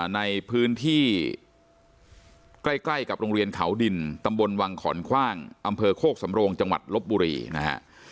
ในพื้นที่ใกล้กับโรงเรียนเขาดินตำบลวังขอนคว่างอำเภอโคกสำโรงจังหวัดลบบุรีนะฮะ